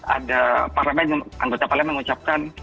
ada parlemen yang anggota palem mengucapkan